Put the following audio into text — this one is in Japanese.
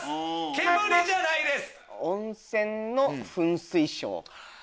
煙じゃないです。